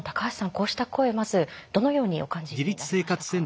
こうした声をまずどのようにお感じになりましたか？